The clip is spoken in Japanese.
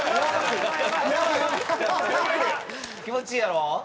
気持ちいいやろ？